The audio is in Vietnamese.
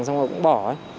xong rồi cũng bỏ ấy